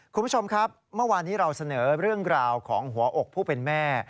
คุณผู้ชมครับเมื่อวานนี้เราเสนอเรื่องราวของหัวอกผู้เป็นแม่